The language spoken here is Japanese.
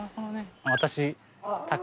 私。